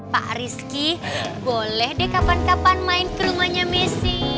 pak rizky boleh deh kapan kapan main ke rumahnya messi